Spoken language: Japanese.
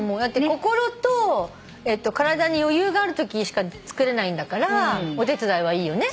心と体に余裕があるときしか作れないんだからお手伝いはいいよね。